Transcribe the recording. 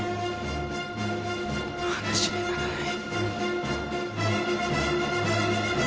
話にならない。